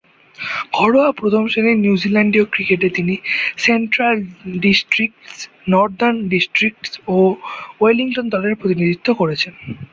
ঘরোয়া প্রথম-শ্রেণীর নিউজিল্যান্ডীয় ক্রিকেটে সেন্ট্রাল ডিস্ট্রিক্টস, নর্দার্ন ডিস্ট্রিক্টস ও ওয়েলিংটন দলের প্রতিনিধিত্ব করেছেন।